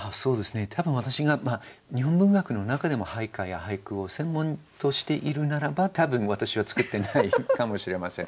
多分私が日本文学の中でも俳諧や俳句を専門としているならば多分私は作ってないかもしれません。